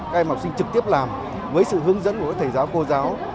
các em học sinh trực tiếp làm với sự hướng dẫn của các thầy giáo cô giáo